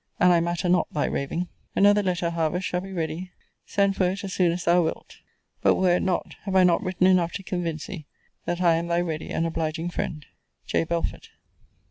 And I matter not thy raving. Another letter, however, shall be ready, send for it a soon as thou wilt. But, were it not, have I not written enough to convince thee, that I am Thy ready and obliging friend, J. BELFORD.